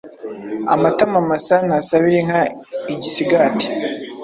Amatama masa ntasabira inka igisigati”.